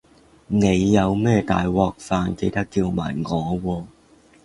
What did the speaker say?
你有咩大鑊飯記得叫埋我喎